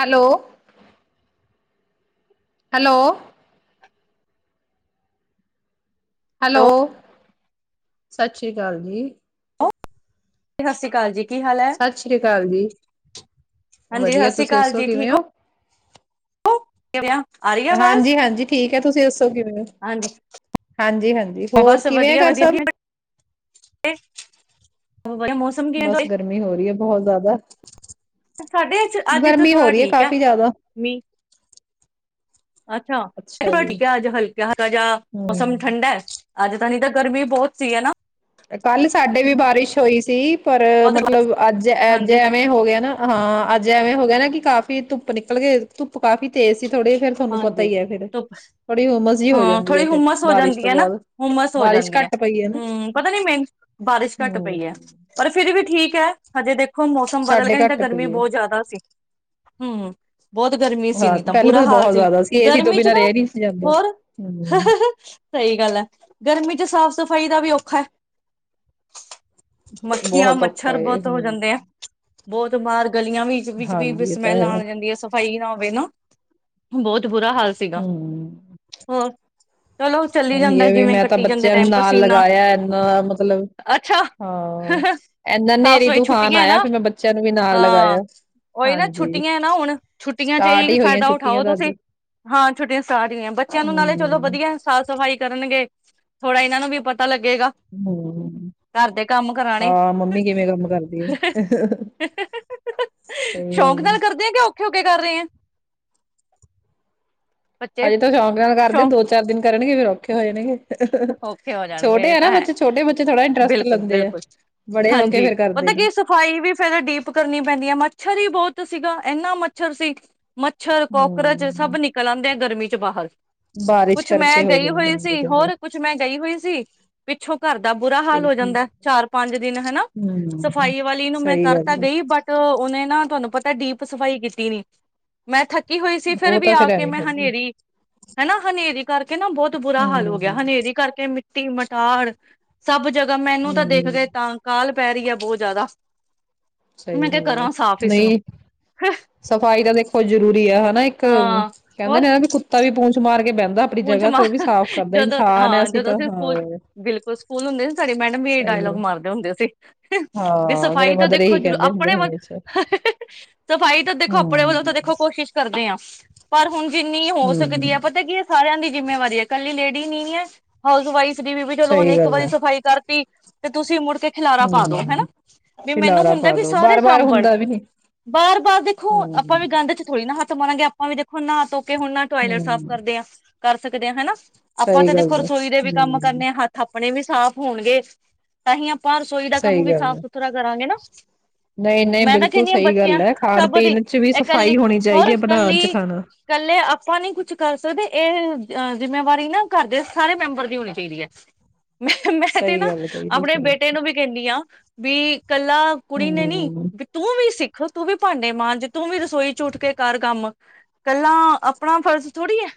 Hello hello hello ਸਤਿ ਸ੍ਰੀ ਅਕਾਲ। ਸਤਿ ਸ਼੍ਰੀ ਅਕਾਲ ਜੀ। ਸਤਿ ਸ੍ਰੀ ਅਕਾਲ ਜੀ। ਕੀ ਹਾਲ ਹੈ? ਸਤਿ ਸ੍ਰੀ ਅਕਾਲ ਜੀ ਹਾਂਜੀ ਵਧੀਆ ਸਤਿ ਸ਼੍ਰੀ ਤੁਸੀਂ ਅਕਾਲ ਦੱਸੋ ਕਿਵੇਂ ਹੋ। ਕਿਵੇਿਆ ਹਾਂਜੀ ਹਾਂਜੀ ਠੀਕ ਕ ਤੁਸੀਂ ਦੋ ਕਿਵੇਂ ਹਾਂਜੀ ਹਾਂਜੀ ਹਾਂਜੀ ਹੋਰ ਬਸ ਕਿਵੇਂ ਆ ਵਧੀਆ ਘਰ ਵਧੀਆ ਸਭ। ਵਧੀਆ ਮੌਸਮ ਕਿਵੇਂ ਬਸ ਗਰਮੀ ਹੋ ਰਹੀ ਹੈ ਬਹੁਤ ਜ਼ਿਆਦਾ [inaudible] ਸਾਡੇ ਅਚ ਅੱਜ ਤਾਂ ਗਰਮੀ ਹੋ ਥੋੜਾ ਰਹੀ ਠੀਕ ਹੈ ਕਾਫ਼ੀ ਜ਼ਿਆਦਾ। ਮੀਂਹ ਅੱਛਾ ਹਟਕਿਆ ਅੱਜ ਹਲਕਾ ਹ ਜਿਹਾ ਮੌਸਮ ਹੂੰ। ਠੰਡਾ ਹੈ ਅੱਜ ਤਾਂ ਨੀ ਤਾਂ ਗਰਮੀ ਬਹੁਤ ਸੀ ਹੈਨਾ ਕੱਲ ਸਾਡੇ ਵੀ ਬਾਰਿਸ਼ ਹੋਈ ਸੀ ਪਰ ਬਹੁਤ ਮਤਲਬ ਅੱਜ ਅੱਜ ਹਾਂਜੀ ਐਵੇਂ ਹੋ ਗਿਆ ਨਾ ਹਾਂ ਅੱਜ ਐਵੇਂ ਹੋ ਗਿਆ ਨਾ ਕਿ ਕਾਫ਼ੀ ਧੁੱਪ ਨਿਕਲ ਗਏ ਧੁੱ ਕਾਫ਼ੀ ਤੇਜ਼ ਸੀ ਥੋੜ੍ਹੀ ਫੇਰ ਤੁਹਾਨੂੰ ਪਤਾ ਹਾਂਜੀ ਹੀ ਹੈ ਫੇਰ ਧੁੱਪ ਥੋੜੀ ਹੋਮਜ਼ ਜੀ ਹੋ ਹਾਂ ਜਾਂਦੀ ਥੋੜ੍ਹੀ ਹੈ ਫੇਰ ਹੁਮਸ ਹੋ ਬਾਰਿਸ਼ ਜਾਂਦੀ ਤੋਂ ਹੈ ਨਾ ਬਾਅਦ ਹੁਮਸ ਹੋ ਬਾਰਿਸ਼ ਜਾਂਦੀ ਹੈ ਘੱਟ ਪਈ ਏ ਨਾ ਹਮ ਪਤਾ ਨੀ ਮਹਿੰ ਬਾਰਿਸ਼ ਘੱਟ ਪਈ ਏ ਹਮ ਪਰ ਫਿਰ ਵੀ ਠੀਕ ਠੀਕ ਹੈ ਹਜੇ ਦੇਖੋ ਮੌਸਮ ਬਦਲ ਸਾਡੇ ਗਿਆ ਨਹੀਂ ਤਾਂ ਘੱਟ ਗਰਮੀ ਪਈ ਹੈ ਬਹੁਤ ਜ਼ਿਆਦਾ ਸੀ ਹੂੰ, ਬਹੁਤ ਗਰ ਹਾਂ [unintelligible] ਪਹਿਲੇ ਬੁਰਾ ਤਾਂ ਹਾਲ ਬਹੁਤ ਸੀ ਜ਼ਿਆਦਾ ਏਸੀ ਤੋਂ ਗਰਮੀ ਚ ਬਿਨਾਂ ਨਾ ਰਹਿ ਨਹੀਂ ਸੀ ਜਾਂਦਾ ਹੋਰ ਹਮ ਸਹੀ ਗੱਲ ਹੈ ਗਰਮੀ ਚ ਸਾਫ਼ ਸਾਫ ਸਫਾਈ ਦਾ ਵੀ ਔਖਾ ਐ ਮੱਖੀਆਂ ਬਹੁਤ ਔਖਾ ਮੱਛਰ ਏ ਬਹੁਤ ਹੋ ਹਮ ਜਾਂਦੇ ਆ ਬਹੁਤ ਮਾਰ ਗਲੀਆਂ ਵਿੱਚ ਵਿੱਚ ਵੀ ਹਾਂਜੀ ਇਹ ਤਾਂ ਸਮੈਲ ਹੈ ਆਣ ਜਾਂਦੀ ਏ ਸਫ਼ਾਈ ਨਾਲ ਮੈਨੂੰ ਬਹੁਤ ਬੁਰਾ ਹਾਲ ਸੀਗਾ ਹਮ ਹੋਰ ਚਲੋ ਚੱਲੀ ਉਹੀ ਜਾਂਦਾ ਹੈ ਵੀ ਜਿਵੇਂ ਮੈਂ ਤਾਂ ਕੱਟੀ ਜਾਂਦੇ ਬੱਚਿਆਂ ਨੂੰ ਟਾਈਮ ਨਾਲ ਪਸੀਨਾ ਲਗਾਇਆ ਇਨਾ ਮਤਲਬ ਅੱਛਾ ਹਾਂ ਇਨਾ ਸਾਫ਼ ਹਨੇਰੀ ਸਫ਼ਾਈ ਤੂਫਾਨ ਛੁੱਟੀਆਂ ਆਇਆ ਨਾ ਫਿਰ ਮੈਂ ਬੱਚਿਆਂ ਨੂੰ ਵੀ ਨਾਲ ਹਾਂ ਲਗਾਇਆ ਉਹੀ ਨਾ ਹਾਂਜੀ ਛੁੱਟੀਆਂ ਨਾ ਹੁਣ ਛੁੱਟੀਆਂ ਚ ਸਟਾਟ ਇਹੀ ਫਾਇਦਾ ਉਠਾਓ ਤੁਸੀਂ ਹਾਂ ਛੁੱਟੀਆਂ ਸਟਾਰਟ ਹੋਈਆਂ ਬੱਚਿਆਂ ਨੂੰ ਨਾਲੇ ਚਲੋ ਹਮ ਵਧੀਆ ਸਾਫ਼ ਸਫ਼ਾਈ ਕਰਨ ਗੇ ਥੋੜਾ ਇਹਨਾਂ ਨੂੰ ਵੀ ਪਤਾ ਲੱਗਾ ਲਗੇਗਾ ਹਮ ਘਰ ਦੇ ਕੰਮ ਕਰਾਣੇ ਹਾਂ ਮੰਮੀ ਕਿਵੇਂ ਕੰਮ ਕਰਦੀ ਹੈ ਸਹੀ ਸ਼ੌਕ ਗੱਲ ਨਾਲ ਕਰਦੇ ਆ ਕਿ ਔਖੇ ਔਖੇ ਕਰ ਰਹੇ ਆ ਬੱਚੇ ਹਜੇ ਤਾਂ ਸ਼ੌਂਕ ਨਾਲ ਕਰਦੇ ਸ਼ੌਕ ਦੋ ਚਾਰ ਦਿਨ ਕਰਨਗੇ ਫਿਰ ਔਖੇ ਹੋ ਜਾਣਗੇ। ਔਖੇ ਹੋ ਜਾਣਗੇ ਛੋਟੇ ਇਹ ਆ ਨਾ ਤਾਂ ਹੈ ਬੱਚੇ ਛੋਟੇ ਬੱਚੇ ਥੋੜਾ ਇੰਟਰਸਟ ਬਿਲਕੁਲ ਲੈਂਦੇ ਆ। ਬਿਲਕੁਲ ਬੜੇ ਹੋ ਕੇ ਹਾਂਜੀ ਫੇਰ ਕਰਦੇ ਪਤਾ ਨੀ ਕੀ ਸਫ਼ਾਈ ਵੀ ਫੇਰ ਡੀਪ ਕਰਨੀ ਪੈਂਦੀ ਹੈ ਮੱਛਰ ਹੀ ਬਹੁਤ ਸੀਗਾ ਇੰਨਾ ਮੱਛਰ ਸੀ ਮੱ ਮੱਛਰ ਕੋਕਰਚ ਸਭ ਹੂੰ ਨਿਕਲ ਆਂਦੇ ਗਰਮੀ ਚ ਬਾਹਰ ਬਾਰਿਸ਼ ਕੁਛ ਮੈਂ ਕਰਕੇ ਹੋ ਗਈ ਜਾਂਦਾ ਹੋਈ ਸੀ ਜਦੋਂ ਹੋਰ ਕੁਛ ਮੈਂ ਗਈ ਹੋਈ ਸੀ ਪਿੱਛੋਂ ਘਰ ਦਾ ਬੁਰਾ ਹਾਲ ਹੋ ਠੀਕ ਏ। ਜਾਂਦਾ ਚਾਰ ਪੰਜ ਦਿਨ ਹਨਾ ਹੂੰ ਸਫ਼ਾਈ ਵਾਲੀ ਨੂੰ ਮੈਂ ਸਹੀ ਕਰਤਾ ਗੱਲ ਆ ਗਈ ਬਟ ਉਹਨੇ ਨਾ ਤੁਹਾਨੂੰ ਪਤਾ ਡੀਪ ਸਫਾਈ ਕੀਤੀ ਨੀ ਮੈਂ ਕੀਤੀ ਹੋਈ ਸੀ ਫਿਰ ਉਹ ਵੀ ਤਾਂ ਆ ਫੇਰ ਕੇ ਐਵੇਂ ਮੈਂ ਕਰਦੇ ਹਨੇਰੀ ਹਨਾ। ਕਰਕੇ ਨਾ ਬਹੁਤ ਬੁਰਾ ਹਾਲ ਹੋ ਗਿਆ ਹੂੰ ਹਨੇਰੀ ਕਰਕੇ। ਮਿੱਟੀ ਮਟਾਰ ਸਭ ਮੈਨੂੰ ਤਾਂ ਦੇਖ ਗਏ ਹੂੰ ਤਾਂ ਕਾਹਲ ਪੈ ਰਈ ਐ ਬੋਤ ਜ਼ਿਆਦਾ ਸਈ ਮੈਂ ਕਿਹਾ ਗਲ ਐ। ਕਰਾਂ ਸਾਫ਼ ਇਸਨੂੰ ਨਈ ਸਫ਼ਾਈ ਤਾਂ ਦੇਖੋ ਜ਼ਰੂਰੀ ਐ ਹੈ ਨਾ ਇੱਕ ਕੈਂਦੇ ਨੇ ਵੀ ਕੁੱਤਾ ਵੀ ਪੂੰਛ ਮਾਰ ਕੇ ਬਹਿੰਦਾ ਆਪਣੀ ਸਕੂਨ ਚ ਜਗ੍ਹਾ ਤੇ ਉਹ ਵੀ ਮਾਰ ਸਾਫ਼ ਕਰਦਾ ਜਦੋਂ ਇਨਸਾਨ ਹੈ ਹਾਂ ਜਦੋਂ ਤਾਂ ਅਸੀਂ ਸਕੂਲ ਚ ਹਾਂ ਬਿਲਕੁਲ ਸਕੂਲ ਹੁੰਦੇ ਸੀ ਸਾਡੀ ਮੈਡਮ ਵੀ ਇਹ ਸਹੀ ਡਾਇਲੋਗ ਗੱਲ। ਮਾਰਦੇ ਹੁੰਦੇ ਸੀ ਤੇ ਬਈ ਹਾਂ ਮੇਰੇ ਸਫ਼ਾਈ ਤ ਮਦਰ ਦੇਖੋ ਇਹੀ ਫਿਰ ਕਹਿੰਦੇ ਹੁੰਦੇ ਆਪਣੇ ਵ ਹਮੇਸ਼ਾ ਸਫ਼ਾਈ ਤਾਂ ਦੇਖੋ ਆਪਣੇ ਵੱਲੋਂ ਤਾਂ ਹੂੰ ਦੇਖੋ ਕੋਸ਼ਿਸ਼ ਕਰਦੇ ਆਂ। ਪਰ ਹੁਣ ਜਿੰਨੀ ਹੋ ਸਕਦੀ ਐ ਹੂੰ ਪਤਾ ਕੀ ਸਾਰਿਆਂ ਦੀ ਜਿੰਮੇਵਾਰੀ ਏ, ਕੱਲੀ ਲੇਡੀ ਨੀ ਨੀ ਐ, ਹਾਊਸ ਵਾਈਫ ਥ੍ਰੀ ਬੀਬੀ ਚਲ ਔਨੇ ਸਹੀ ਇੱਕ ਗੱਲ ਵਾਰੀ ਹੈ ਸਫਾਈ ਕਰ ਤੀ ਤੇ ਤੁਸੀ ਮੁੜ ਤੇ ਖਿਲਾਰਾ ਪਾ ਦੋ, ਹੈਨਾ ਹੂੰ ਵੀ ਮੈਨੂੰ ਖਿਲਾਰਾ ਹੁੰਦੈ ਪਾ ਵੀ ਦੋ ਸਾਰੇ ਬਾਰ ਬਾਰ ਸਾਂਭਣ। ਹੁੰਦਾ ਵੀ ਨੀ ਬਾਰ ਬਾਰ ਦੇਖੋ ਆਪਾਂ ਹੂੰ ਵੀ ਗੰਧ ਚ ਥੋੜੀ ਨਾ ਹੱਥ ਤੇ ਮਾਰਾਂਗੇ ਆਪਾਂ ਵੀ ਦੇਖੋ ਨਾ ਤੋ ਕਿ ਹੁਣ ਨਾ ਟੋਇਲਟ ਸਾਫ਼ ਹੂੰ ਕਰਦੇ ਆ ਕਰ ਸਕਦੇ ਆਂ ਹੈਨਾ। ਆਪਾਂ ਸਹੀ ਤੇ ਦੇਖੋ ਗੱਲ ਹੈ ਰਸੋਈ ਦੇ ਵੀ ਕੰਮ ਹੂੰ ਕਰਨੇ ਆਂ ਹੱਥ ਅਪ ਪਣੇ ਵੀ ਸਾਫ਼ ਹੋਣਗੇ ਤਾਂਹੀ ਆਪਾਂ ਰਸੋਈ ਦਾ ਕੰਮ ਸਹੀ ਵੀ ਗੱਲ ਸਾਫ਼ ਹੈ ਸੁਥਰਾ ਕਰਾਂਗੇ ਨਾ। [inaudible] ਨਹੀਂ ਨਹੀਂ ਮੈਂ ਤਾਂ ਬਿਲਕੁਲ ਕਹਿੰਨੀ ਆਂ ਸਹੀ ਬੱਚਿਆਂ ਗੱਲ ਹੈ ਖਾਣ ਸਭ ਦੀ ਪੀਣ ਚ ਵੀ ਐ ਕੱਲੀ ਸਫ਼ਾਈ ਹੋਣੀ ਹੋਰ ਚਾਹੀਦੀ ਹੈ ਬਣਾਉਣ ਚ ਇਕੱਲੀ ਖਾਣਾ ਕੱਲੇ ਆਪਾਂ ਨੀ ਕੁਛ ਕਰ ਸਕਦੇ ਅ ਜਿੰਮੇਵਾਰੀ ਨਾ ਘਰ ਦੇ ਸਾਰੇ ਮੈਂਬਰ ਦੀ ਹੋਣੀ ਚਾਈਦੀ ਐ। ਮੈਂ, ਮੈਂ ਤੇ ਸਹੀ ਨਾ ਗੱਲ ਕਹੀ ਆਪਣੇ ਤੁਸੀਂ ਬੇਟੇ ਨੂੰ ਵੀ ਕਹਿੰਨੀ ਆਂ ਵੀ ਕੱਲਾ ਕੁੜੀ ਨੇ ਨੀ ਹੂੰ ਬੀ ਤੂੰ ਵੀ ਸਿੱਖ ਖਲੋ, ਤੂੰ ਵੀ ਭਾਂਡੇ ਮਾਂਝ, ਤੂੰ ਵੀ ਰਸੋਈ ਚ ਉੱਠ ਕੇ ਕਰ ਕੰਮ। ਕੱਲਾ ਆਪਣਾ ਫਰਜ਼ ਥੋੜ੍ਹੀ ਐ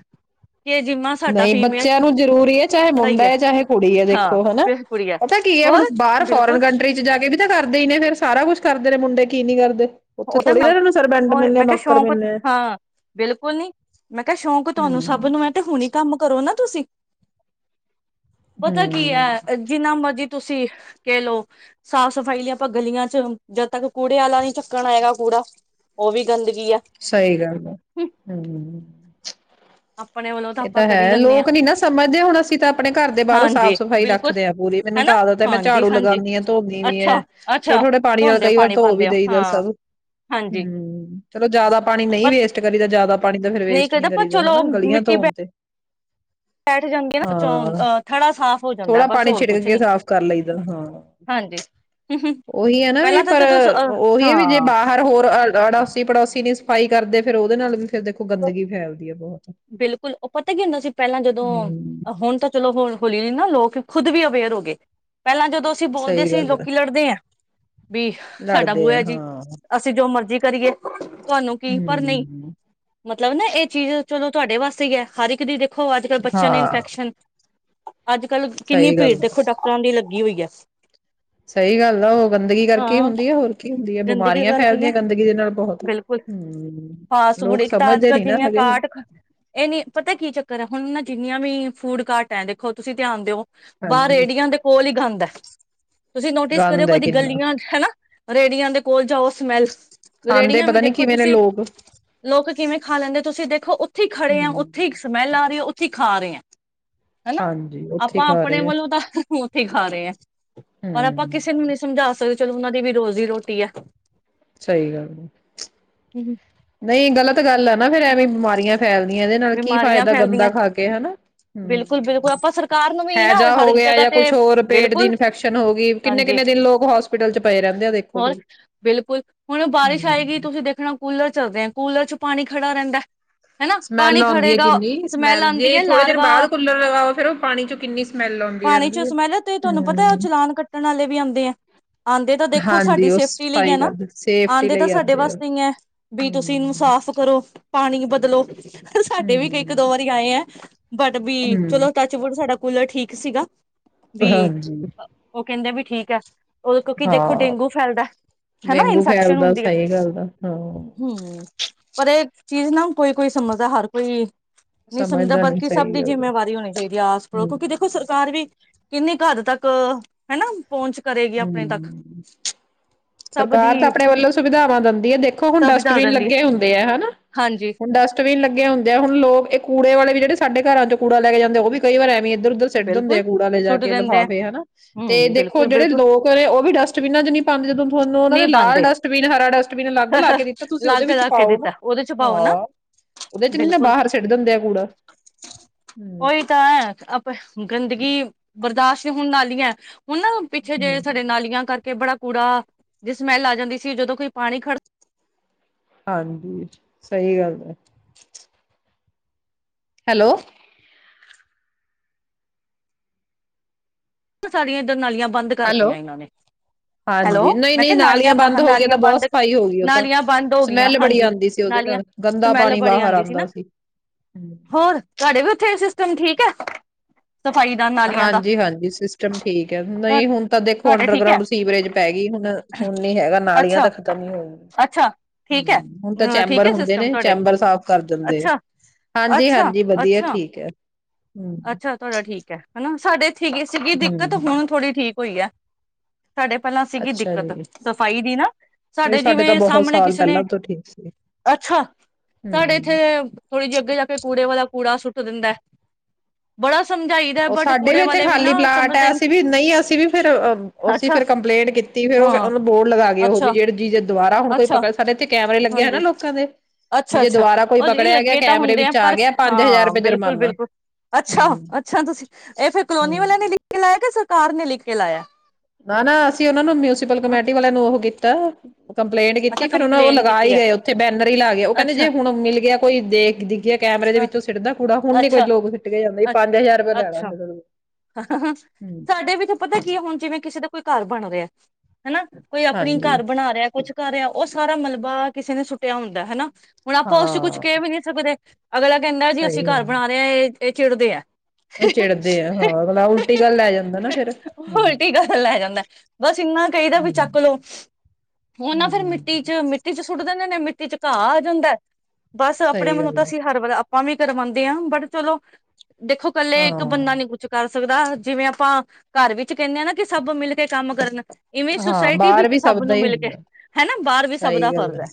ਕਿ ਏ ਜਿੰਮਾ ਸਾਡਾ ਨਹੀਂ ਫੀਮੇਲ ਬੱਚਿਆਂ ਨੂੰ ਜ਼ਰੂਰੀ ਐ। ਚਾਹੇ ਦਾ ਹੀ ਮੁੰਡਾ ਹੈ ਏ ਚਾਹੇ ਕੁੜੀ ਏ ਹਾਂ ਵੇਖੋ ਹੈਨਾ ਫਿਰ ਕੁੜੀ ਹੈ ਪਤੈ ਕੀ ਏ ਹੁਣ ਹੋਰ ਬਾਹਰ ਫੋਰਨ ਬਿਲਕੁਲ ਕੰਟਰੀ ਚ ਜਾ ਕੇ ਵੀ ਤਾਂ ਕਰ ਦੇ ਈ ਨੇ ਫੇਰ ਸਾਰਾ ਕੁੱਛ ਕਰਦੇ ਨੇ, ਮੁੰਡੇ ਕੀ ਨੀ ਕਰਦੇ। ਉੱਥੇ ਉਹ ਤਾਂ ਥੋੜ੍ਹੀ ਨਾ ਮ ਇਹਨਾਂ ਨੂੰ ਸਰਬੈਂਡ ਹੋਰ ਮਿਲਣੇ ਮੈਂ ਕਿਹਾ ਨੌਕਰ ਸ਼ੌਕ ਆ, ਮਿਲਣੇ ਹਾਂ, ਬਿਲਕੁਲ ਨਹੀਂ। ਮੈਂ ਕਿਹਾ ਸ਼ੌਂਕ ਤੁਹਾਨੂੰ ਸਭ ਹਮ ਨੂੰ ਐ ਤੇ ਹੁਣੀ ਕੰਮ ਕਰੋ ਨਾ ਤੁਸੀਂ। ਪਤਾ ਕੀ ਹਮ ਐ, ਜਿੰਨਾ ਮਰਜੀ ਤੁਸੀਂ ਕਹਿ ਲਓ ਸਾਫ਼ ਸਫ਼ਾਈ ਲਈ ਆਪਾਂ ਗਲੀਆਂ ਚ ਜਦ ਤੱਕ ਕੂੜੇ ਆਲਾ ਦੀ ਚ ਹੈਗਾ ਕੂੜਾ, ਉਹ ਵੀ ਗੰਦ ਸਹੀ ਗੱਲ ਆ, ਹੂੰ। ਆਪਣੇ ਵੱਲੋਂ ਇਹ ਆਪਾਂ ਤਾਂ ਕਰੀ ਹੈ ਜਾਂਦੇ ਹਾਂ ਲੋਕ ਨੀ ਨਾ ਸਮਝਦੇ ਹੁਣ ਅਸੀਂ ਤਾਂ ਆਪਣੇ ਘਰ ਦੇ ਬਾਹਰੋਂ ਹਾਂਜੀ ਸਾਫ਼ ਸਫ਼ਾਈ ਬਿਲਕੁਲ ਰੱਖਦੇ ਹਾਂ ਪੂਰੀ ਮੈਨੂੰ ਹਨਾ ਤਾਂ ਆਦਤ ਹੈ, ਮੈਂ ਹਾਂਜੀ ਝਾੜੂ ਹਾਂਜੀ ਲਗਾਂਦੀ ਹਾਂ ਧੋਂਦੀ ਵੀ ਅੱਛਾ ਹਾਂ, ਅੱਛਾ ਥੋੜੇ- ਥੋੜੇ ਪਾਣੀ ਨਾਲ ਧੋਂਦੇ ਕਈ ਵਾਰ ਪਾਣੀ ਧੋ ਵੀ ਪਾਉਂਦੇ ਆ ਦੇਈ ਜਦ ਹਾਂ ਸਭ ਹਾਂਜੀ ਚਲੋ ਜਿਆਦਾ ਪਾਣੀ ਨਹੀਂ ਪਰ ਵੇਸਟ ਕਰੀਦਾ ਜਿਆਦਾ ਪਾਣੀ ਤਾਂ ਫਿਰ ਨਹੀਂ ਵੇਸਟ ਨੀ ਕਹਦਾ ਪਰ ਕਰੀਦਾ ਚਲੋ ਹਨਾ ਗਲੀਆਂ ਮਿੱਟੀ ਧੋਣ ਤੇ ਬੈਠ ਜਾਂਦੀ ਨਾ ਹਾਂ, ਅ, ਥੜਾ ਸਾਫ਼ ਹੋ ਜਾਂਦਾ ਐ, ਥੋੜਾ ਬਸ ਪਾਣੀ ਹੋਰ ਛਿੜਕ ਕੁਛ ਕੇ ਨਹੀਂ ਸਾਫ਼ ਕਰ ਲਈਦਾ ਹਾਂ। ਹਾਂਜੀ। ਪਹਿਲਾਂ ਉਹੀ ਐ ਨਾ ਵੀ ਤਾਂ ਪਰ ਜਦੋਂ ਅ ਉਹੀ ਐ ਵੀ ਜੇ ਹਾਂ ਬਾਹਰ ਹੋਰ ਅ ਅੜੋਸੀ ਪੜੋਸੀ ਨੀ ਸਫਾਈ ਕਰਦੇ ਫੇਰ ਉਹਦੇ ਨਾਲ ਵੀ ਫਿਰ ਦੇਖੋ ਗੰਦਗੀ ਫੈਲਦੀ ਹੈ ਬਹੁਤ ਬਿਲਕੁਲ ਉਹ ਪਤਾ ਕੀ ਹੁੰਦਾ ਸੀ। ਪਹਿਲਾਂ ਜਦੋਂ ਹੂੰ, ਹੁਣ ਤਾਂ ਚਲੋ ਹੋ ਹੌਲੀ ਨਾ ਲੋਕ ਖੁਦ ਵੀ ਅਵੇਅਰ ਹੋ ਗਏ। ਪਹਿਲਾਂ ਜਦੋਂ ਅਸੀਂ ਬੋਲਦੇ ਸਹੀ ਸੀ, ਗੱਲ ਹੈ ਲੋਕੀ ਲੜਦੇ ਐ ਵੀ ਸਾਡਾ ਲੜਦੇ ਆ ਬੂਆ ਜੀ ਹਾਂ ਅਸੀਂ ਜੋ ਮਰਜ਼ੀ ਕਰੀਏ ਤੁਹਾਨੂੰ ਕੀ ਪਰ ਨਹੀਂ ਹੂੰ, ਮਤਲਬ ਨਾ ਇਹ ਚੀਜ਼ ਚਲੋ ਤੁਹਾਡੇ ਵਾਸਤੇ ਈ ਐ। ਹਰ ਇੱਕ ਦੀ ਦੇ ਦੇਖੋ ਅੱਜ ਕੱਲ੍ਹ ਬੱਚਿਆਂ ਨੂੰ ਹਾਂ ਇਨਫੈਕਸ਼ਨ ਅੱਜ ਕੱਲ ਕਿੰਨੀ ਸਹੀ ਭੀੜ ਗੱਲ ਆ। ਦੇਖੋ ਡਾਕਟਰਾਂ ਦੀ ਲੱਗੀ। ਕੀ ਹੋ ਗਿਆ ਸੀ? ਸਹੀ ਗੱਲ ਆ। ਉਹ ਗੰਦਗੀ ਕਰਕੇ ਹੀ ਹੁੰਦੀ ਆ, ਹੋਰ ਕੀ। ਹੁੰਦੀ ਆ ਗੰਦਗੀ ਬਿਮਾਰੀਆਂ ਕਰ ਕੀ ਹੈ ਫੈਲਦੀਆਂ ਗੰਦਗੀ ਦੇ ਨਾਲ ਬਹੁਤ ਬਿਲਕੁਲ ਹੂੰ, ਫਾਸਟ ਫੂਡ ਲੋਕ ਇੱਕ ਤਾਂ ਅੱਜ- ਸਮਝਦੇ ਕੱਲ ਨੀ ਨਾ ਜਿੰਨੀਆਂ ਹੈਗੇ ਕਾਟ ਇਹ ਨੀ ਪਤਾ ਕੀ ਚੱਕਰ ਹੈ, ਹੁਣ ਜਿੰਨੀਆਂ ਵੀ ਫੂਡ ਘੱਟ ਐ, ਦੇਖੋ ਤੁਸੀਂ ਧਿਆਨ ਦਿਓ। ਬਾਹਰ ਹਾਂਜੀ ਰੇੜੀਆਂ ਦੇ ਕੋਲ ਹੀ ਗੰਦ ਐ। ਤੁਸੀਂ ਨੋਟਿਸ ਕਰਿਓ ਗੰਦ ਹੈ ਕਦੀ ਕਿੰਨਾ ਗਲੀਆਂ ਚ ਹਨਾ। ਰੇੜੀਆਂ ਦੇ ਕੋਲ ਜਾਔ ਸਮੈਲ, ਖਾਂਦੇ ਰੇੜੀਆਂ ਵੀ ਪਤਾ ਨੀ ਦੇਖੋ ਕਿਵੇਂ ਨੇ ਤੁਸੀ ਲੋਕ ਲੋਕ ਕਿਵੇਂ ਖਾ ਲੈਂਦੇ ਤੁਸੀ ਦੇਖੋ ਉੱਥੇ ਈ ਖੜੇ ਐਂ, ਹਮ ਉੱਥੇ ਈ ਸਮੈਲ ਆ ਰੀ ਏ, ਉੱਥੇ ਈ ਖਾ ਰਏ ਐਂ। ਹੈਨਾ ਹਾਂਜੀ ਉੱਥੇ ਹੀ ਆਪਾਂ ਖਾ ਆਪਣੇ ਰਹੇ ਆ ਵੱਲੋਂ ਤਾਂ [unintelligible] ਕੇ ਖਾ ਰਏ ਐਂ ਪਰ ਆਪਾਂ ਹਮ ਕਿਸੇ ਨੂੰ ਨਈ ਸਮਝਾ ਸਕਦੇ। ਚਲੋ ਉਹਨਾ ਦੀ ਵੀ ਰੋ ਜ਼ੀ ਰੋਟੀ ਐ। ਸਈ ਗੱਲ ਐ। ਨਹੀਂ ਗ਼ਲਤ ਗੱਲ ਹੈ, ਨਾ ਫੇਰ ਐਵੇਂ ਹਾਂ ਬਿਮਾਰੀਆਂ ਫੈਲ ਦਿਆ ਇਹਦੇ ਨਾਲ ਕੀ ਬਿਮਾਰੀਆਂ ਫਾਇਦਾ ਗੰਦਾ ਫੈਲਦੀਆਂ ਖਾ ਕੇ ਹਨਾ, ਬਿਲਕੁਲ ਹੂੰ, ਬਿਲਕੁਲ ਆਪਾਂ ਸਰਕਾਰ ਨੂੰ ਵੀ ਨਾ ਹੈਜਾ ਹਰ ਹੋ ਗਿਆ ਜਗ੍ਹਾ ਜਾਂ ਕੁਛ ਤੇ ਹੋਰ ਪੇਟ ਦੀ ਬਿਲਕੁਲ ਇਨਫੈਕਸ਼ਨ ਹੋ ਗਈ ਕਿੰਨੇ ਹਾਂਜੀ ਕਿੰਨੇ ਦਿਨ ਲੋਕ ਹੋਸਪਿਟਲ ਚ ਪਏ ਰਹਿੰਦੇ ਆ ਦੇਖੋ ਹੋਰ ਫਿਰ, ਬਿਲਕੁਲ ਹੁਣ ਹੂੰ। ਕੁਲਰ ਚ ਪਾਣੀ ਖੜਾ ਰਹਿੰਦਾ ਹਨਾ। ਸਮੈਲ ਪਾਣੀ ਆਦੀ ਹੈ, ਖੜੇਗਾ ਕਿੰਨੀ ਸਮੈਲ ਆਉਂਦੀ ਜੇ ਹੈ ਥੋੜੇ ਦਿਨ ਲਾਰਵਾ ਬਾਅਦ ਕੂਲਰ ਲਗਾਓ, ਫੇਰ ਉਹ ਪਾਣੀ ਚ ਕਿੰਨੀ ਸਮੈਲ ਆਦੀ ਪਾਣੀ ਰਹਿੰਦੀ ਚੋਂ ਹੈ, ਸਮੈਲ ਹੂੰ। ਤੇ, ਆਦੇ ਤਾਂ ਦੇਖੋ ਸਾਡੀ ਸੇਫਟੀ ਲਈ ਸਫਾਈ ਹੈ ਨਾ, ਕਰਦੇ ਸੇਫਟੀ ਆਦੇ ਤਾਂ ਲਈ ਸਾਡੇ ਆਉਂਦੇ ਆ। ਵਾਸਤੇ ਹੀ ਹੈ ਵੀ ਤੁਸੀਂ ਇਹਨੂੰ ਹੂੰ, ਸਾਫ਼ ਕਰੋ। ਪਾਣੀ ਬਦਲੋ। ਫ ਸਾਡੇ ਵੀ ਇੱਕ ਹੂੰ, ਦੋ ਵਾਰੀ ਆਏ ਹੈ। ਬਟਬੀ ਹੂੰ। ਚਲੋ ਟੱਚ ਵੁੱਡ ਸਾਡਾ ਕੂਲਰ ਠੀਕ ਸੀਗਾ। ਵੀ ਹਾਂਜੀ, ਉਹ ਕਹਿੰਦੇ ਵੀ ਠੀਕ ਹੈ। ਕਿਉਂਕਿ ਦੇਖੋ ਹਾਂ ਡੇਂਗੂ ਫੈਲਦਾ ਹਨਾ ਡੇਂਗੂ ਇਨਫੈਕਸ਼ਨ ਫੈਲਦਾ ਹੁੰਦੀ ਹੈ ਸਹੀ ਗੱਲ ਦਾ ਹਾਂ। ਹੂੰ ਪਰ ਇਹ ਚੀਜ਼ ਨਾ ਕੋਈ-ਕੋਈ ਸਮਝ ਦਾ ਹਰ ਕੋਈ, ਨਹੀਂ ਸਮਝਦਾ ਨੀ ਬਲਕਿ ਸਭ ਸਹੀ ਦੀ ਗੱਲ ਆ ਜਿੰਮੇਵਾਰੀ ਹੋਣੀ ਚਾਹੀਦੀ ਹੈ, ਆਪ ਤੋ ਹੂੰ। ਕਿਉਂਕਿ ਦੇਖੋ ਸਰਕਾਰ ਵੀ ਕਿੰਨੀ ਕੁ ਹੱਦ ਤੱਕ ਹਨਾ, ਪਹੁੰਚ ਕਰੇਗੀ ਆਪਣੇ ਤੱਕ ਹੂੰ, ਸਭ ਦੀ ਸਰਕਾਰ ਤਾਂ ਆਪਣੇ ਵੱਲੋਂ ਸੁਵਿਧਾਵਾਂ ਦਿੰਦੀ ਐ ਦੇਖੋ, ਹੁਣ ਸਭ ਦੱਸ ਡਸਟਬਿਨ ਦਿੰਦੀ ਹੈ ਲੱਗੇ ਹੁੰਦੇ ਆ ਹਨਾ, ਹਾਂਜੀ ਹੁਣ ਡਸਟਬਿਨ ਲੱ ਅੱਗੇ ਹੁੰਦੇ ਐ ਲੋਕ ਇਹ ਕੁੜੇ ਵਾਲੇ ਵੀ ਜਿਹੜੇ ਸਾਡੇ ਘਰਾਂ ਚ ਕੂੜਾ ਲੈ ਕੇ ਜਾਂਦੇ ਉਹ ਵੀ ਕਈ ਵਾਰ ਐਵੀ ਇੱਧਰ ਉੱਧਰ ਉਹ ਸਿੱਟ ਹੁੰਦੇ ਆ ਬਿਲਕੁਲ ਕੂੜਾ ਲੈ ਜਾ ਸੁੱਟ ਕੇ ਦਿੰਦੇ ਆ ਲਿਫਾਫੇ ਹਨਾ, ਤੇ ਹਮ ਦੇਖੋ। ਬਿਲਕੁਲ ਜਿਹੜੇ ਬਿਲਕੁਲ ਲੋਕ ਨੇ ਉਹ ਵੀ ਡਸਟਬਿਨਾਂ ਚ ਨੀ ਪਾਦੇ ਜਦੋਂ ਤੁਹਾਨੂੰ ਉਹਨਾਂ ਨੇ ਨਹੀਂ ਲਾਲ ਪਾਉਂਦੇ ਡਸਟਬਿਨ ਹਰਾ ਡਸਟਬਿਨ ਅਲੱਗ ਲਾ ਕੇ ਦਿੱਤਾ, ਤੁਸੀਂ ਉਹਦੇ ਲਾਗੇ ਵਿੱਚ ਲਾ ਕੇ ਪਾਓ ਨਾ, ਦਿੱਤਾ ਉਹਦੇ ਚ ਪਾਓ ਨਾ ਹਾਂ, ਉਹਦੇ ਚ ਵੀ ਨਾ ਬਿਲਕੁਲ ਬਾਹਰ ਸੁਟ ਦਿੰਦੇ ਆ ਕੂੜਾ, ਹੂੰ। ਉਹੀ ਤਾਂ ਹੈ ਆਪ ਗੰਦਗੀ ਬਰਦਾਸ਼ਤ ਹੋਣ ਵਾਲੀ ਹੈ। ਉਹਨਾਂ ਪਿੱਛੇ ਜਿ ਹੂੰ ਸਾਡੇ ਨਾਲੀਆਂ ਕਰ ਕਿ ਬੜਾ ਕੂੜਾ ਜੇ ਸਮੈਲ ਆ ਜਾਂਦੀ ਸੀ, ਜਦੋਂ ਕੋਈ ਪਾਣੀ ਖੜ ਹਾਂਜੀ, ਸਹੀ ਗੱਲ ਹੈ। ਹੈਲੋ, ਸਾਡੀਆ ਇਧਰ ਨਾਲੀਆਂ, ਬੰਦ ਹੈਲੋ ਕਰਤੀਆਂ ਇਹਨਾਂ ਨੇ, ਹੈਲੋ, ਹਾਂਜੀ ਨਹੀਂ ਮੈਂ ਨਹੀਂ ਕਿਹਾ ਨਾਲੀਆਂ ਬ ਬੰਦ ਹੋ ਗਈਆਂ ਨਾਲੀਆਂ ਤਾਂ ਬਹੁਤ ਬੰਦ ਸਫਾਈ ਹੋ ਗਈ ਉਹ ਤਾਂ ਨਾਲੀਆਂ ਬੰਦ ਹੋ ਗਈਆਂ, ਸਮੈਲ ਬੜੀ ਹਾਂਜੀ ਆਉਂਦੀ ਸੀ ਉਹਦੇ ਨਾਲੀਆਂ ਨਾਲ ਗੰਦਾ ਸਮੈਲ ਪਾਣੀ ਬੜੀ ਬਾਹਰ ਆਦੀ ਸੀ, ਨਾ ਆਉਂਦਾ ਹੂੰ ਹੋਰ ਤੁਹਾਡੇ ਵੀ ਉੱਥੇ ਐਸੀ ਸਿਸਟਮ ਤੁਮ ਠੀਕ ਆ। ਸਫ਼ਾਈ ਦਾ ਨਾਲੀਆਂ ਦਾ, ਟਮ ਠੀਕ ਹੈ ਨਹੀਂ ਹੁਣ ਤਾਂ ਦੇਖੋ, ਤੁਹਾਡੇ ਠੀਕ ਹੈ ਅੰਡਰਗਰਾਉਂਡ ਸੀਵਰੇਜ ਪੈ ਗਈ ਹੁਣ ਹੁਣ ਨੀ ਹੈਗਾ, ਨਾਲੀਆਂ ਤਾਂ ਅੱਛਾ ਖਤਮ ਹੀ ਹੋਈਆਂ ਅੱਛਾ ਠੀਕ ਹੈ ਹੁਣ ਤਾਂ ਠੀਕ ਚੈਂਬਰ ਹੈ ਹੁੰਦੇ ਸਿਸਟਮ ਨੇ ਤੁਹਾਡੇ ਚੈਂਬਰ ਸਾਫ ਕਰ ਦਿੰਦੇ ਆ, ਅੱਛਾ ਅੱਛਾ ਹਾਂਜੀ-ਹਾਂਜੀ, ਵਧੀਆ ਅੱਛਾ ਠੀਕ ਹੈ। ਹੂੰ ਅੱਛਾ ਤੁਹਾਡਾ ਠੀਕ, ਹਨਾ, ਸਾਡੇ ਠੀਕ ਸੀਗੀ ਦਿੱਕਤ ਹੂੰ ਹੁਣ ਥੋੜ੍ਹੀ ਠੀਕ ਹੋਈ ਹੈ। ਸਾਡੇ ਪਹਿਲਾਂ ਸੀਗੀ ਅੱਛਾ ਦਿੱਕਤ ਜੀ ਸਫ਼ਾਈ ਦੀ ਨਾ। ਨਹੀਂ ਸਾਡੇ ਤਾਂ ਜਿਵੇਂ ਬਹੁਤ ਸਾਹਮਣੇ ਸਾਲ ਕਿਸੇ ਨੇ ਪਹਿਲਾਂ ਤੋਂ ਠੀਕ ਸੀ। ਅੱਛਾ ਸਾਡੇ ਹੂੰ ਇੱਥੇ ਥੋੜ੍ਹੀ ਜਿਹੀ ਅੱਗੇ ਜਾ ਕੇ ਕੂੜੇ ਵਾਲਾ ਕੂੜਾ ਸੁੱਟ ਦਿੰਦਾ ਐ। ਬੜਾ ਸਮਝਾਈਦਾ ਉਹ ਬਟ ਸਾਡੇ ਵੀ ਕੂੜੇ ਇੱਥੇ ਵਾਲੇ ਨਾ ਖਾਲੀ ਪਲਾਟ ਹੈ ਸਮਝਦੇ ਨੀ ਅਸੀਂ ਵੀ ਨਹੀਂ ਅਸੀਂ ਵੀ ਅੱਛਾ ਫੇਰ ਕੰਪਲੇਂਟ ਕੀਤੀ ਹਾਂ ਫੇਰਨੂੰ ਬੋਰਡ ਲਗਾ ਗ ਉਹ ਵੀ ਅੱਛਾ ਜਿਹੜੇ ਜੀ ਦੁਬਾਰਾ ਹੁਣ ਕੋਈ ਅੱਛਾ ਪੜ ਸਾਡੇ ਇੱਥੇ। ਕੈਮਰੇ ਲੱਗੇ ਨਾ ਹਾਂਜੀ ਲੋਕਾਂ ਦੇ ਵੀ ਅੱਛਾ ਜੇ ਅੱਛਾ ਦੁਬਾਰਾ ਕੋਈ ਉਹ ਜੇ ਪਕੜਿਆ ਗਿਆ ਲੱਗੇ ਤਾਂ ਕੈਮਰੇ ਹੁੰਦੇ ਆ ਵਿੱਚ ਪਰ ਗਿਆ ਹਾਂ ਰੁਪਏ ਬਿਲਕੁਲ ਜੁਰਮਾਨਾ ਬਿਲਕੁਲ ਅੱਛਾ ਹੂੰ ਅੱਛਾ। ਇਹ ਫਿਰ ਕਲੋਨੀ ਹੂੰ ਵਾਲਿਆਂ ਨੇ ਲਿਖ ਕੇ ਲਾਇਆ ਸਭ ਸਾਰ ਨੇ ਲਿਖ ਕੇ ਲਾਇਆ। ਨਾ ਨਾ ਅਸੀਂ ਉਹਨਾਂ ਨੂੰ ਮਿਲ ਉਸੀਪਲ ਕਮੇਟੀ ਵਾਲਿਆਂ ਨੂੰ ਉਹ ਕੀਤੀ। ਤਾਂ ਕੰਪਲੇਂਟ ਕੀਤੀ ਅੱਛਾ ਫੇਰ ਉਹਨਾਂ ਉਹ ਕੰਪਲੇਨ ਲਗਾ ਕੀਤੀ ਹੀ ਹੈ ਗਏ ਉੱਥੇ ਬੈਨਰ ਹੀ ਲਾਏ ਉਹ ਕਹਿੰਦੇ ਜੇ ਅੱਛਾ ਹੁਣ ਮਿਲ ਗਿਆ ਕੋਈ ਦੇਖ ਦੀ ਕੈਮਰੇ ਦੇ ਹਾਂ ਵਿੱਚੋਂ ਸਿੱਟਦਾ ਕੂੜਾ ਹੁਣੀ ਕੋਈ ਅੱਛਾ ਲੋਕ ਸੁਟ ਕੇ ਜਾਂਦੇ ਪੰਜ ਹਜ਼ਾਰ ਰੁਪਏ ਲੈ ਲਾਗੇ। ਹਾਂ ਸਾਡੇ ਵਿੱਚ ਪਤਾ ਕੀ ਹੈ ਹੁਣ ਜਿਵੇਂ ਕਿਸੇ ਤੋਂ ਕੋਈ ਘਰ ਬਣ ਰਿਹਾ। ਹਨਾ ਕੋਈ ਆਪਣੀ ਹਾਂਜੀ ਘਰ ਬਣਾ ਰਿਹਾ ਕੁਛ ਕਰ ਰਿਹਾ ਉਹ ਸਾਰਾ ਮਲਬਾ ਕਿਸੇ ਨੇ ਸੁੱਟਿਆ ਹੁੰਦਾ ਹਨਾ। ਹੁਣ ਆਪਾਂ ਉਸ ਚ ਕੁਛ ਕਹਿ ਹਾਂ ਵੀ ਨੀ ਸਕਦੇ। ਅਗਲਾ ਕਹਿੰਦਾ ਜੀ ਅਸੀਂ ਸਹੀ ਘਰ ਗੱਲ ਬਣਾ ਰਹੇ ਇਹ ਇਹ ਚਿੜਦੇ ਆ ਉਹ ਚੜਦੇ ਆ। ਹਾਂ ਅਗਲਾ ਉਲਟੀ ਗੱਲ ਲੈ ਜਾਂਦਾ ਨਾ ਫੇਰ ਹਮ ਉਲਟੀ ਗਲ ਲੈ ਜਾਂਦਾ ਬਸ ਇੰਨਾ ਕਈ ਦਾ ਵੀ ਚੱਕ ਲਓ ਉਹ ਨਾ ਫੇਰ ਹਮ ਮਿੱਟੀ ਚ ਮਿੱਟੀ ਸੁੱਟ ਦਿੰਦੇ ਨੇ ਮਿੱਟੀ ਚ ਘਾਹ ਆ ਜਾਂਦਾ ਹੈ। ਬਸ ਆਪਣੇ ਸਹੀ ਵਲੋਂ ਗੱਲ ਤਾਂ ਹੈ ਅਸੀਂ ਹਰ ਆਪਾਂ ਵੀ ਕਰਵਾਦੇ ਹਾਂ ਬਟ ਚਲੋ। ਦੇਖੋ ਕੱਲੇ ਇੱਕ ਬੰਦਾ ਨੀ ਹਾਂ ਸਕਦਾ ਜਿਵੇਂ ਆਪਾਂ ਘਰ ਵਿੱਚ ਕਹਿੰਦੇ ਹਾਂ ਨਾ ਕਿ ਸਭ ਮਿਲ ਕੇ ਕੰਮ ਕਰਨ ਇਵੇਂ ਹਾਂ ਸੁਸਾਇਟੀ ਬਾਹਰ ਵਿੱਚ ਵੀ ਸਭ ਦਾ ਨੂੰ ਹੀ ਮਿਲ ਕੇ ਹੁੰਦਾ ਹਨਾ ਬਾਹਰ ਵੀ ਸਭ ਦਾ ਸਹੀ ਗੱਲ ਫਰਜ਼ ਹੈ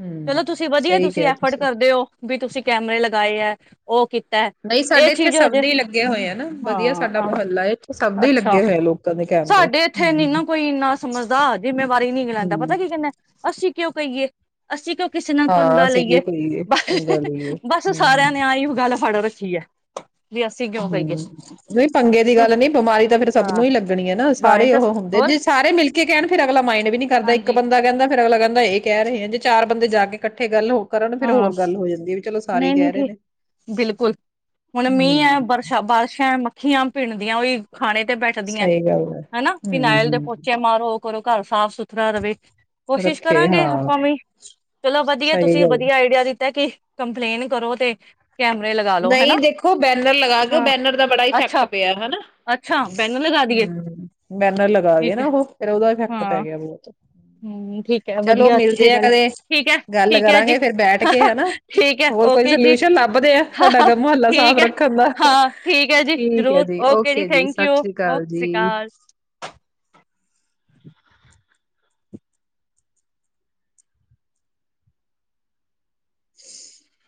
ਹਮ ਚਲੋ ਤੁਸੀਂ ਵਧੀਆ ਸਹੀ ਤੁਸੀਂ ਕਿਹਾ ਐਫਰਟ ਕਰਦੇ ਹੋ ਵੀ ਤੁਸੀਂ। ਕੈਮਰੇ ਲਗਾਏ ਹੈ ਉਹ ਹੈ, ਨਹੀਂ ਇਹ ਸਾਡੇ ਇੱਥੇ ਚੀਜ਼ ਸਭ ਹਜੇ ਦੇ ਹੀ ਲੱਗੇ ਹੋਏ। ਹਨਾ, ਵਧੀਆ ਹਾਂ ਸਾਡਾ ਆਹ ਮੁਹੱਲਾ ਹੈ ਇੱਥੇ ਸਭਦੇ ਹੀ ਅੱਛਾ ਲੱਗੇ ਹੋਇਆ ਲੋਕਾਂ ਦੇ ਕੈਮਰੇ ਸਾਡੇ ਇੱਥੇ ਨ ਹਮ ਨਾ ਕੋਈ ਇੰਨਾ ਸਮਝਦਾ ਜਿੰਮੇਵਾਰੀ ਨੀ ਲੈਂਦਾ ਹਮ ਪਤਾ ਕੀਹਨੇ ਅਸੀਂ ਕਿਉਂ ਕਹੀਏ, ਅਸੀਂ ਕਿਉਂ? ਕਿਸੇ ਨਾਲ ਹਾਂ ਪੰਗਾ ਅਸੀਂ ਕਿਉਂ ਲਈਏ। ਕਰੀਏ ਪੰਗਾ ਲਈਏ ਬਸ- ਬਸ ਉਹ ਸਾਰਿਆਂ ਹਮ ਨੇ ਆ ਹੀ ਉਹ ਗੱਲ ਫੜ ਰ ਠੀਕ ਹੈ। ਵੀ ਅਸੀਂ ਕਿਉਂ ਕਹੀਏ ਹਮ, ਨਹੀਂ ਪੰਗੇ ਦੀ ਗੱਲ ਨੀ ਬਿਮਾਰੀ ਤਾਂ ਫੇਰ ਸਭ ਹਾਂ ਨੂੰ ਹੀ ਲੱਗਣੀ ਹੈ। ਨਾ ਸਾਰੇ ਵਾਇਟਸ ਉਹ ਹੁੰਦੇ ਹੋਰ ਜੇ ਸਾਰੇ ਮਿਲ ਕੇ ਕੀ ਕਹਿਣ ਫਿਰ ਅਗਲਾ ਮਾਈਨ ਵੀ ਨੀ ਕਰਦਾ ਇੱਕ ਹਾਂਜੀ ਬੰਦਾ ਕਹਿੰਦਾ ਫਿਰ ਅਗਲਾ ਦਾ ਇਹ ਕਹਿ ਰਹੇ ਆ ਜੇ ਚਾਰ ਬੰਦੇ ਜਾ ਕੇ ਇਕੱਠੇ ਗੱਲ ਹੋ ਕਰਨ ਫੇਰ ਹਾਂ ਹੋਰ ਗੱਲ ਹੋ ਜਾਂਦੀ ਹੈ ਵੀ ਚਲੋ ਸਾਰੇ ਹੀ ਨਹੀਂ -ਨਹੀਂ ਕਹਿ ਰਹੇ ਠੀਕ। ਨੇ। ਬਿਲਕੁਲ, ਹੁਣ ਮੀਂਹ ਏ ਹੂੰ, ਬਰਸ਼ਾ- ਬਾਰਿਸ਼ਾਂ ਮੱਖੀਆਂ ਭਿੰਣ ਦੀਆਂ ਉਹੀ ਖਾਣੇ ਤੇ ਬੈਠਦੀਆਂ। ਸਹੀ ਗੱਲ ਹੈ। ਹਨਾ, ਫਿਨਾਇਲ ਦੇ ਹੂੰ, ਪੋਚੇ ਮਾਰੋ। ਕਰੋ ਘਰ ਸਾਫ਼ -ਸੁਥਰਾ ਰਹੇ। ਕੋਸ਼ਿਸ਼ ਰੱਖੇ ਕਰਾਂਗੇ ਹਾਂ ਆਪਾਂ ਵੀ। ਚਲੋ ਵਧੀਆ, ਸਹੀ ਤੁਸੀਂ ਗੱਲ। ਵਧੀਆ ਆਈਡੀਆ ਦਿੱਤਾ ਕਿ ਕੰਪਲੇਂਨ ਕਰੋ ਤੇ ਕੈਮਰੇ ਲਗਾ ਲੋ ਹਨਾ ਨਹੀਂ ਦੇਖੋ ਬੈਨਰ ਲਗਾ ਕੇ ਉਹ ਹਾਂ ਬੈਨਰ ਦਾ ਬੜਾ ਇਫੈਕਟ ਅੱਛਾ ਪਿਆ। ਹਨਾ, ਅੱਛਾ ਬੈਨਰ ਲਗਾ ਦੀਏ ਹਮ, ਬੈਨਰ ਲਗਾ ਗ ਠੀਕ ਨਾ ਹੈ ਉਹ ਫੇਰ ਉਹਦਾ ਇਫੈਕਟ ਪੈ ਹਾਂ ਗਿਆ ਬਹੁਤ। ਹਮ ਠੀਕ ਹੈ ਚਲੋ ਵਧੀਆ ਅੱਛੀ ਮਿਲਦੇ ਆ ਗੱਲ ਕਦੇ ਠੀਕ ਹੈ ਗੱਲ ਠੀਕ ਹੈ ਜੀ ਕਰਾਂਗੇ ਫੇਰ ਬੈਠ ਕੇ ਹਨਾ। ਠੀਕ ਹੈ ਹੋਰ ਕੋਈ ਓਕੇ ਜੀ ਸੋਲਿਊਸ਼ਨ ਲੱਭਦੇ ਆ। ਤੁਹਾਡਾ ਅਗਰ ਮੁਹੱਲਾ ਸਾਫ ਠੀਕ ਹੈ, ਰੱਖਣ ਦਾ। ਹਾਂ ਠੀਕ ਹੈ ਜੀ ਠੀਕ ਹੈ ਜ਼ਰੂਰ ਜੀ, ਓਕੇ ਜੀ, ਥੈਂਕ ਯੂ ਸਤ ਸ੍ਰੀ ਓਕੇ ਅਕਾਲ ਸਤਿ ਸ਼੍ਰੀ ਅਕਾਲ ਜੀ। ਹ [unintelligible]